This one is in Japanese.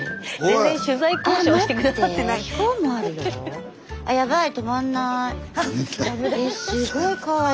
全然取材交渉して下さってない。